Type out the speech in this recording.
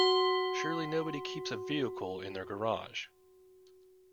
Surely nobody keeps a vehicle in their garage?